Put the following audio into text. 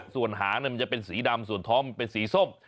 ส่วนหางมันจะเป็นสีดำส่วนท้องมันเป็นสีส้ม